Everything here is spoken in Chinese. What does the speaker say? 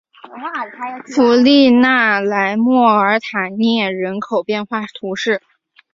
弗利讷莱莫尔塔涅人口变化图示